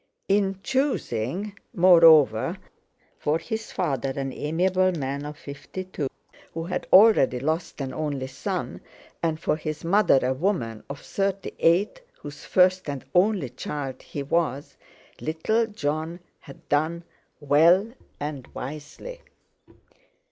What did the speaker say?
In choosing, moreover, for his father an amiable man of fifty two, who had already lost an only son, and for his mother a woman of thirty eight, whose first and only child he was, little Jon had done well and wisely.